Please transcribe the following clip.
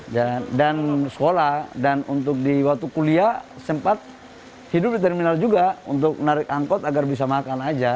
dan dan sholah dan untuk di waktu kuliah sempat hidup di terminal juga untuk menarik angkot agar bisa makan aja